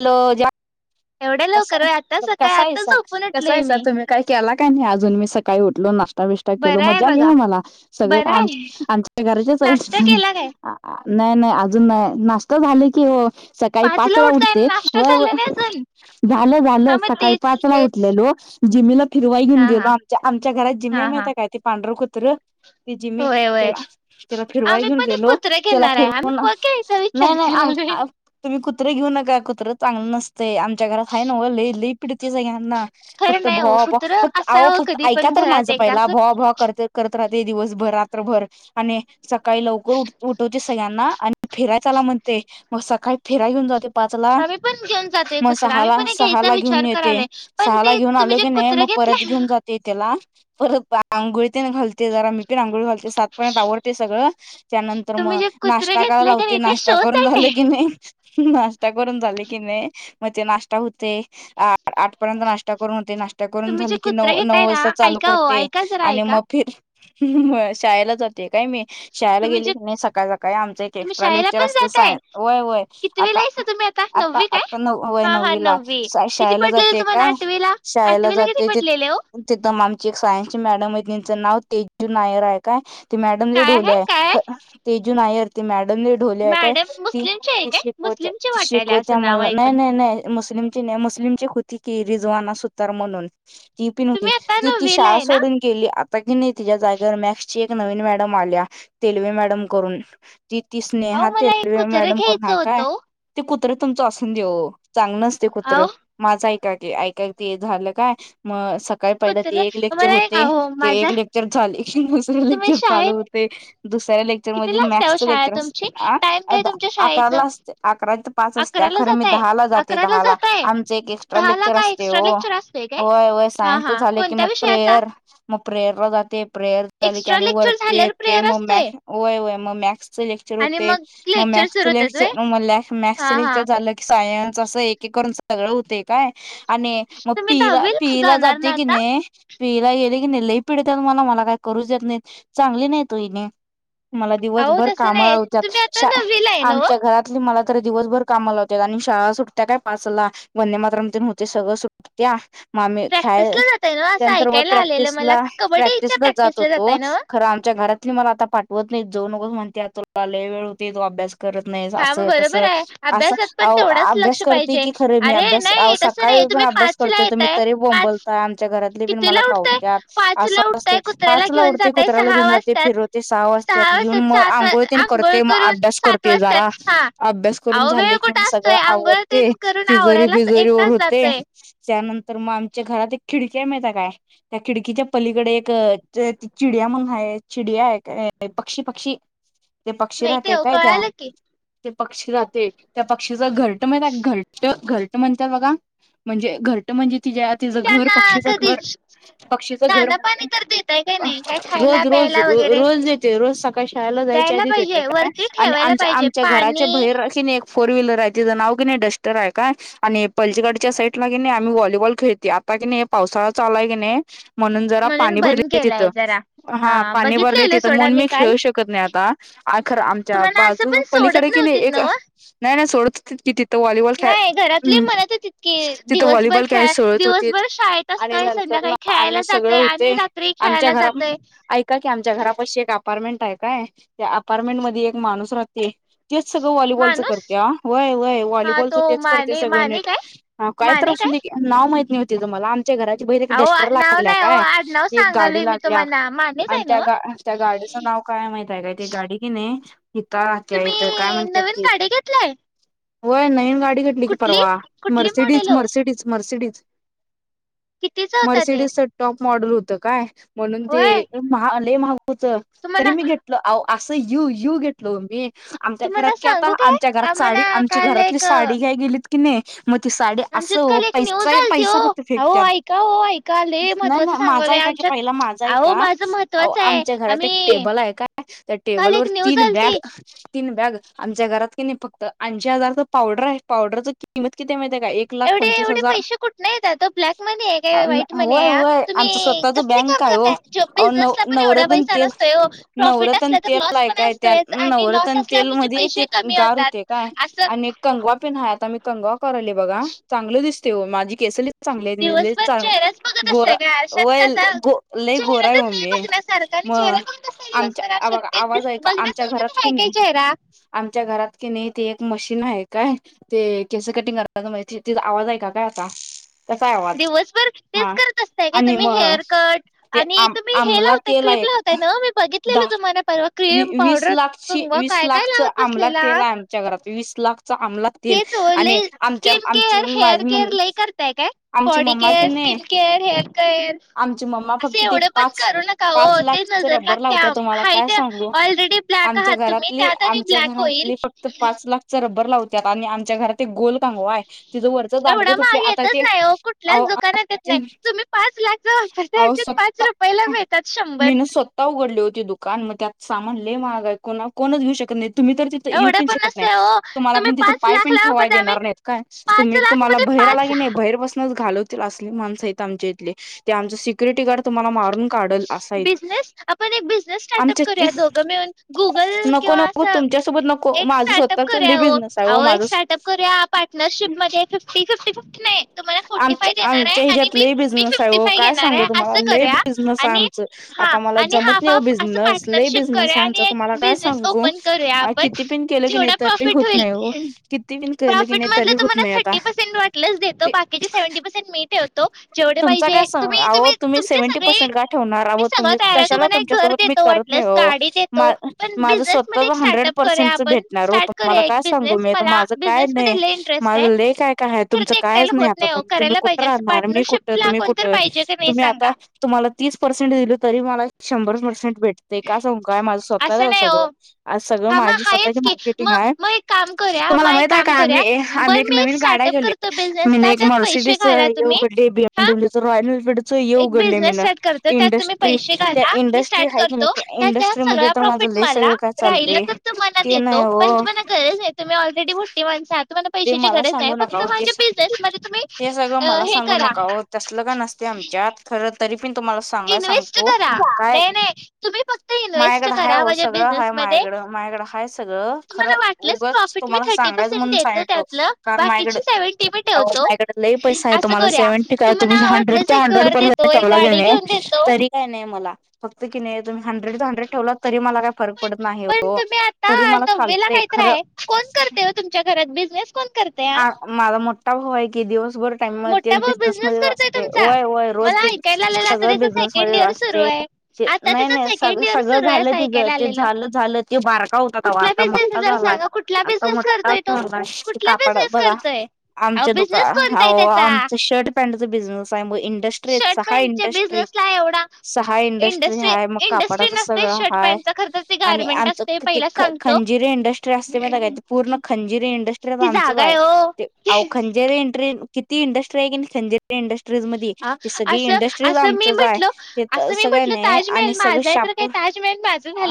Hello जा कस कसा आहेस कसा आहेसा तुम्ही काही केला काय नाही अजून मी सकाळी उठलो नाश्ता विष्ट केलो मज्जा घेऊ म्हणा सगळं का आ आमच्या घराचच हे. नाही नाही अजून नाही नाश्ता झाले की हो. सकाळी पाच ला उठते व झालं झालं सकाळी पाच उठलेलो. जिमीला फिरवाय घेऊन गेलो आमच्या आमच्या घरात जिम्मी आहे माहीती काय ते पांढर कुत्रं. ती जिम्मी त्याला त्याला फिरवाय घेऊन गेलो त्याला फिरवून नाही नाही आम आम तुम्ही कुत्रे घेऊ नका कुत्रं चांगलं नसते आमच्या घरात आहे नवं लई लई पिडते सगळ्यांना. फक्त भोभो फक्त आहो फक्त ऐका तर माझं पहिला भोभो करते. करत राहते दिवसभर रात्रभर आणि सकाळी लवकर उठवते सगळ्यांना आणि फिरायचला चला म्हणते मग सकाळी फिराय घेऊन जाते पाचला मग सहा ला सहा ला घेऊन येते सहा ला घेऊन आलो की नाही मग परत घेऊन जात. जाते त्याला. परत आंघोळी तेनं घालते जरा मी पण आंघोळी घालते सातपर्यंत आवरते सगळं. त्यानंतर मग नाश्ता करा लावते नाश्ता करून झालं की नाही. नाश्ता करून झाली की नाही. मग ते नाश्ता होते आ-आठपर्यंत नाश्ता करून होते नाश नास्ता करून झाली की नऊ- नऊ वाजता चालू करते आणि मग फिर हं म शाळेला जाते काय मी. शाळेला गेली की नाही सकाळ सकाळी आमच एक एक्स्ट्रा लेक्चर असते सायन्स वय वय. आता आता आता नऊ व्हय नववी ला शाळेला जाते काय शाळेला जाते तिथ तिथ आमची एक सायन्सची मॅडम आहे त्यांचं नाव तेजू नायर आहे काय‌. ते मॅडम लय ढोलि आहे ख तेजू नायर ते मॅडम ल ढोली आहे काय ती शिकवते- शिकवते आम्हाला नाही नाही नाही मुस्लिमची नाही मुस्लिमची होती की रिझवाना सुतार म्हणून. ती पिन नव्हती ती ती शाळा सोडून गेली आ आता की नाही तिच्या जागेवर मॅक्सची एक नवीन मॅडम आल्या तेलवि मॅडम करून. ती ती स्नेहा तेलवि मॅडम करून हाय काय. ते कुत्रं तुमचं असून दे ओ चांगलं नसत कुत्रं‌. माझं ऐका की ऐका की ते झालं काय म काय पहिलं ते एक होते ते एक लेक्चर झालं कि दुसरे लेक्चर चालू होते. ते दुसऱ्या लेख म मॅक्सच लेक्चर असत अकराला असते अकरा ते पाच असते खरं मी दहा ला जात. दहा ला आमच एक एक्स्ट्रा लेक्चर असते हो होय होय सायन्स झाले की मग प्रेयर. मग प्रेयरला जाते प्रेयर तलीक आणि वरती येत ते मग होय होय मग मॅक्सचे लेक्चर होते मग मॅक्सच लेक्चर म -मॅक्सचं लेक्चर झालं सायन्स असं एक एक करून सगळं होते काय. आणि मग पिला पिला जाते क नाही. पियला गेले की नाही लई पिडत मला मला काय करूच देत नाही चांगली नाही त ओ हेनी. मला दिवसभर काम लावत्यात ना आमच्या घरात. मला तेनी दिवसभर काम लावण्यात आणि शाळा सुटत्या काय पाचला वंदे मातरम होते सगळं सु त्या मामी ख्याय त्यानंतर व प्रॅक्टिसला प्रॅक्टिसला जात होतो. खर आमच्या घरातली मला पाठवत नाही जाऊन नकोस म्हणतेत तुला लय वेळ होते तो अभ्यास करत नाही असं तसं असं आहो अभ्यास करतोय की खरं मी अभ्यास सकाळी उठून अभ्यास करतो मी तरी तुम्ही बोंबलता आमच्या घरातले पण मला कावत्या अस असते पाचला उठतोय कुत्र्याला घेऊन जाते फिरवत ते सहा वाजत्यात येऊन मग आंघोळ तेन करतोय मग अभ्यास करत ते जरा अभ्यास करून झाले की सगळं मग आवर ते तिजोरी बिजोरी वर होते त्यानंतर मग आमच्या घरात एक खिडकी आहे माहितय काय? त्या खिडकीच्या पलीकडे एक [unintelligible] म्हणून आहे [unintelligible] आहे पक्षी पक्षी ते पक्षी राहते काय त्या ते पक्षी राहते त्या पक्षीचा घरट माहितेय घरट घरट म्हणते म्हणजे ति तिचं घर पक्षीचं घर पक्षीचं घर रोज रोज र रोज देते रोज सकाळी जायच्या आधी देते आणि आमच्या आम आमच्या घराच्या बाहेर कि नाही एक फोर व्हीलर आहे तिचं नाव कि नाही डस्टर आहे काय? आणि पलजीगाडच्या साईडला की नाही आम्ही व्हॉलीबॉल खेळतोय आता की नाही पावसाळा चालू आहे की नाही. म्हणून जरा पाणी भरले तिथं हा पाणी भरले तिथं म्हणून मी खेळू शकत नाही आता. अ खरं आमच्या बाजू पलीकडे की नाही एक नाही नाही सोडत कि तिथं व्हॉलीबॉल तिथ हॉलीबॉल खेळाय सोडत होती आणि नंतर न आणि सगळं होते आमच्या घरा ऐका की आमच्या घरापशी एक अपार्टमेंट आहे काय त्या अपार्टमेंट मध्ये एक माणूस राहतोय. तेच सगळं वॉलीबॉलं करत्या व्ह व्ह वॉलीबॉलच तीच करते सगळं नीट काय तरी असू द्या की नाव नाही माहिती तिज मला त्याच्या घराची बहीर एक डस्टर लागल्या काय ति एक गाडी लागल्या आणि त्या गा त्या गाडीचं नाव काय माहित आहे काय. ते गाडी की नाही हुता आकया इथ काय म्हणत्या की होय नवीन गाडी घेतली की परवा मर्सिडीज मर्सिडीज मर्सिडीज. मर्सिडीजच टॉप मॉडेल होतं काय. म्हणून ते महाग लय महाग होत तरी मी घेतल असं यू यू घेतल मी. आमच्या घरात की आता आमच्या घरात साडी आमची घरातली साडी घ्याय गेलीत. की नाही मग ती साडी असं पै पैसा फक्त फेकत्यात. नाही नाही माझ ऐका की पहिला माझा ऐका आमच्या घरात एक टेबल आहे काय त्या टेबल वर तीन बॅग तीन बॅग आमच्या घरात की नाही फक्त ऐंशी हजारच पावडर आहे पावडरच किंमत किती माहिती आहे का एक एक लाख पंचवीस हजार होय होय आमच स्वतःच बँक आहे हो अ नव नवरत्न तेल नवरत्न तेल काय त्या नवरातन तेल मध्ये ते गार होते काय आणि कंगवा पिन् हाय आता मी कंगवा करालोय बघा चांगले दिसते हो माझी केस लई चांगले आहेत म्हणजे गोरा वय गो लई गोरा आहे मम्मे मग आमच्या आ आवाज आहे का आमच्या घरात कि नाय आमच्या घरात की नाही ते एक मशीन आहे काय. ते केस कटिंग करताना [unintelligible] आवाज ऐका काय आता कसा हाय आवाज हा आणि म ते आम -आमला तेल हाय एक. दहा वी-वीस लाखची, वीस लाखच आंमला तेला हाय आम आमच्या घरात वीस लाखच अमला तेल आणि आमच्या आमची माझी आमची मम्मा कि नाही. आमची मम्मा फक्त ते पाच पाच लाखच रबर लावत्या तुम्हाला काय सांगु. आमच्या घरातली, आमच्या घरातली, फक्त पाच लाखचा रबर लावत्यात आणि आमच्या घरा ते गोल कंगवा आहे, तिचं वरचं दांडगं तुटले आता ते नाही तुम्ही पाच लाखचा वापरताच्या पाच रुपयाला मिळतात शंभर. आता उघडलंय ओ ते दुकान मग त्यात सामान ले महाग आहे, को -कोणच घेऊ शकत नाही तुम्ही तर त येऊ पन शकत नाही तुमला पिन तिथ पाय पण ठेवाय देणार नाहीत, काय तुम्ही तुम्हाला भ‌इर आलात का नाही. बाहेर बसूनच घालवतील असली माणसं आहेत आमच्या इथले. ते आमच सिक्युरिटी गार्ड तुम्हाला मारून काढल असं हायत. आमच्या नको नको तुमच्यासोबत नको माझं स्वतःच ल बिझनेस आहे. अहो एक स्टार्टअप करूया पार्टनरशिप मध्ये फिफ्टी फिफ्टी फिफ्टी नाही तुम्हाला आम -आमच्या हिच्यातलय बिझनेस आहे काय सांगू तुम्हाला. लय बिझनस आमच आता मला जमत नाहीऊ बिझनस, लय बिझनस आहे आमच तुम्हाला काय सांगू. अ किती पण केलं का क नाही तरी होत नाही हो. किती बी कळलं की नाही तरी होत नाही आता ते तुमचा काय सह आहो तुम्ही सेव्हंटी पर्सेंट का ठेवणार आ तुम्ही कशाला तुमच्यासोबत मी करत नाही ओ. या माझं स्वतःच हंड्रेड पर्सेंटच भेटणार हो तुम्हाला काय सांगु. तुम्ही माझं काय नाही माझ ले काय काय तुमचं कायच नाही, आता तुम्ही कुठं राहणार, मी कुठ तर तम्ही कुठं तुम्ही आता तुम्हाला तीस पर्सेंट दिले तरी मला शंभर पर्सेंट भेटते का सांगू काय माझं स्वतःचं हाय हो सगळं. आज सगळं माझी स्वतःची मार्केटिंग आहे. तुम्हाला माहित आहे का आम्ही आम्ही एक नवीन गाड्या केलंय मिन एक मर्सडीज. घडले बीएमडब्ल्यू रॉयल एनफीलड उघडले मी इंडट्री. इंडस्ट्री आहे की नाही इंडस्ट्री मध्ये तर माझं लेस सगळं काय चालते ते नाही हो. तुम्ही ऑरेडी बुटी माणस आहात. तुहाला पैशाची गरज नाही फक्त माणजे बिझनेस मध्ये तुम्ही हे करा. तसलं का नसते आमच्यात खर तरी पण तुम्हाला सांग सांगाय सांगतो काय मायकड हाय हो सगळं हा मायकड मायकड हाय. सगळं खर उगंच तुम्हाला सांगायचं म्हणून सांगितलो. कारण माझकड आहोत मायाकडं ल पैसा आहे, तुम्हाला सेव्हंटी काय तुम्ही हंड्रेड ते हंड्रेड पर्यं चला गण तरी काय नाही मला. फक्त की नाही तुम्ही हंड्रेड टू हंड्रेड ठेवलात तरी मला काही फरक पडत नाही हो. तरी मला चालतंय खरं कोण करते ओ तुमच्या घरात बिझनेस कोण करतया? माझ मोठा भाऊ हाय की दिवसभर टाइम म तेच बिझनस मध्ये असते वयवय रोज बिजन- सगळं बिझनसमध्येच असते. ते नाही नाही सगळ सगळं झालं तिचं ते झालं झालं ते बारका होता तवा आता मोठा झालाय. आता मोठा झालाय, ते कापड बघा आमच्या दुकान आओ आमचं शर्ट पॅडच बिझनेस आहे, मग इंडस्ट्री आहे सहा इंडस्ट्री सहा इंडस्ट्री हाय मग कापडाच सगळं हाय आणि आमच ती ख खंजिरीे इंडस्ट्री असते माहिते काय? पूर्ण खंजिरी इंडस्ट्री आमच हाय ते, अहो खंजिरी इंट्री किती इंडस्ट्री हाय की नाय खंजी इंडस्ट्रीजमधी ती सगळी इंडस्ट्रीज आमचच हाय, तिथं सगळ नाही आणि सगळ शाप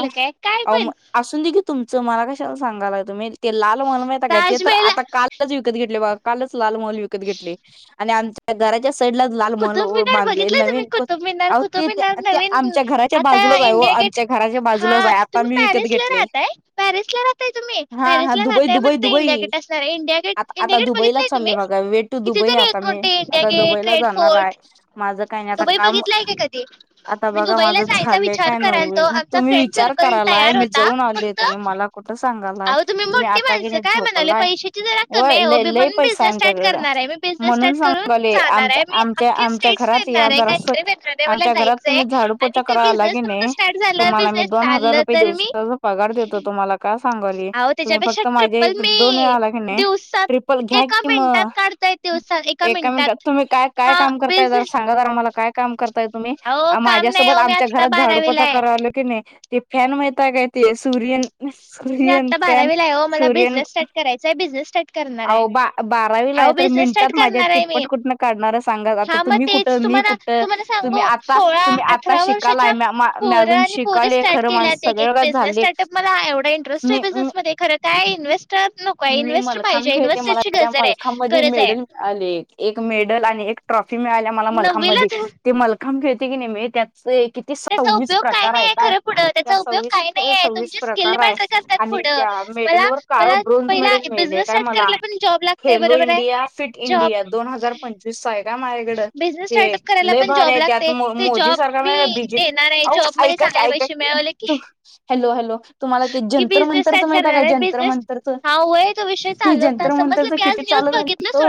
अ [unintelligible] देखी तुमचं, मला कशाला सांगायला तुम्ही, ते लाल मला माहीता काय, ते तर आता कालतच विकत घेतलय बघा कालच लाल महल विकत घेतले आणि आमच्या घराच्या साईडला लाल महल होळ बांधलेय, नवीन कोन, अहो ते ते, ते आमच्या घराच्या बाजूलाच हाय वो च्या घराच्या बाजूलाच हाय, आता मी विकत घेतलय, हा हा, दुबई, दुबई, दुबई आत आता दुबईला चाललोय बघा, वे टू दुबई आता मी, आता दुबईला जा जाणार हाय, माझं काय नाय, आता काम आता बघा माझं झालंय काय, नव्हिन तुम्ही विचार करायलाय, मी जऊन आले, तुम्ही मला कुठं सांगालाय तुम्ही आता गेल्या झोप व्हलाय व्हय लै, लै पैसा हाय आमच्याकडं, म्हणून सांगून राहिले, आमच्या आम म्हंजे, आमच्या घरात याचा रस्ता, आमच्या घरात, तुम्ही झाडू पोचा कराय आला की नाही तुम्हाला मी दोन हजार रुपये दिवसाचा पगार देत होतो. का सांगायली, तुम्ही फक्त माझे दोन वेळा आला की नाय, ट्रिपल घ्या कि म, एका मिनटात तुम्ही काय काय काम करताय जरा सांगा जरा मला काय? काम करताय तुम्ही, आ माझ्यासोबत आमच्या घरात झाडू पोचा करायलोय ते नाही, ते फॅन माहिताय काय, ते सूर्यन, सूर्यन फॅन, सूर्यन अहो बा बारावीला हाय, तर मिनटात माझ्या, तिप्पट कुठंन? काढणार सांगा, आता तुम्ही कुठं, मी कुठं, तुम्ही आता, तुम्ही आता, शिकालाय लागल्या मा मी अजून शिकाले खरं, माझं [unintelligible] झाली मला एवढा इंटरेस्ट आहे बिझनेसमध्ये, खरं काय इन्हेस्टर नक मी मलखांम खेळते, मला त्या मलखांमध्ये मेडल आले, एक मेडल आणि एक ट्रॉफी मिळाल्या मला मलखांमधी, ती मलखांब खेळते किनई मी, त्यात व्हय, किती सव्वीस प्रकार हाय काय, या सव्वीस, सव्वीस प्रकार हाय आणि त्या मेडल वर काळ ब्रोन मेडल मिळाते काय मला, खेलो इंडिया, फिट इंडिया, दोन हजार पंच किस्सा हाय का माझ्याकडं, हे लै भारी हाय त्यात, मो मोदी सरकार हाय ना बीजेपी, अहो ऐक ऐका की, ऐका की, हॅलो, हॅलो तुम्हाला ते जंतर- मंतरच माहित आहे का, जंतर-मंतर? ते जंतर -मंतरच किती चालू झालं, हो,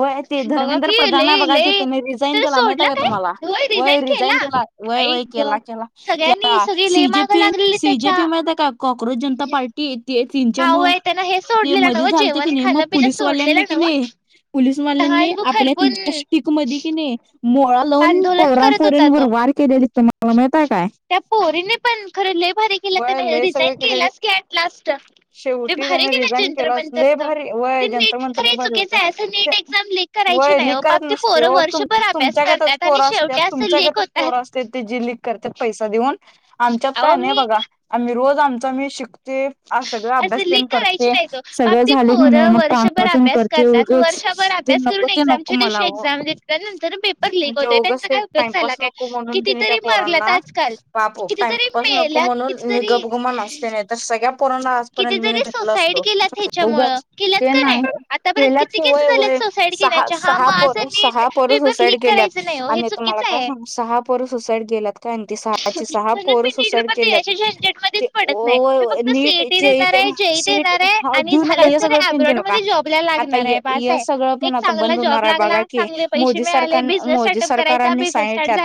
व्हय ते धर्मेंद्र प्रध आता नाय बघायची, त्याने रिझाईन केला, माहित आहे का तुम्हाला, व्हय रिझाईन दिला, व्हय, व्हय, केला, केला. ते आता C J P, C J P, माहितेय काय कॉक्रोज जनता पार्टी [unintelligible] चे, म, ते मध्ये झालतं की नाही म पोलीसवाल्यांनी किनई पोलीसवाल्यांनी आपल्या त्यांच्या स्टिकमध्ये कीनई मोळात लावून पोरा पोरींवर वार केलेलीत तुम्हाला माहित हाय काय? त्या पोरीने पण, खरं लै भारी केला, त्यानं हे रिझाईन केलाय स्कॅम लास्ट लै भारी केलं चंत्रमंतरच ते नीट खरी चुकीचं आहे, असं नीट एक्झाम लीक करायची नाय ओ, पाक ती पोरं वर्षभर अभ्यास करतात आणि शेवटी असं लीक होतात त्यात जे लिंक करतात पैसा देऊन, आमच्यात काय नाय बघा आम्ही रोज आमचा आम्ही शिकते अहो सगळं अभ्यास तेन करते, सगळं झालं की नई मग काम अजून करते, वेगळेच ते नको ते नको मलाव, म्हणजे उगंच ते टाइमपास नको म्हणून की नी त्या पोरांना ता पो टाइमपास नको म्हणून मी गप गुमान असते. नाही तर सगळ्या पोरांना आजपर्यंत ढेकलं असतो उगाच ते नाय केला वय वय सहा सहा पोरं सहा पोरं सुसाईड केल्यात आणि तुम्हाला काय सांगु सहा पोरं सुसाईड केल्यात का आणि ती सहाच्या सहा पोरं सुसाईड केल्यात. ती ओव नीट जे ही टाइम सी हाय देऊ नका हे सगळं पिंते नका आता य य सगळं पण आता बंद होणार आहे बघा की मोदी सरकार मोदी सरकारांनी सांगितल्यात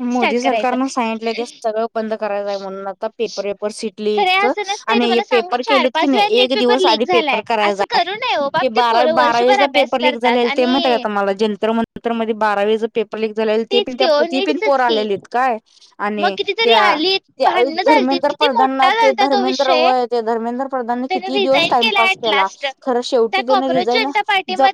मोदी सरकारनं सांगितलं ते सगळं बंद कराय [unintelligible] म्हणून आता पेपर वेपर सिट लीकच्या आणि ये पेपर केलेत की नाही एक दिवस आधी पेपर करायचा ते बा बारावीचा पेप ते झालेल ते माहिते आहे का तुम्हाला जंतर मं तर मध्ये बारावी ज पेपर लीक झालेल ते पण ती पिण पोरं आलेलीत काय? आणि त्या त्या धर्मेंद्र प्रधानना ते धर्मेंद्र वय ते धर्मेंद्र प्रधाननी किती दिवस टाइमपास केला. खरं शेवटी त्याने रिजाईन जा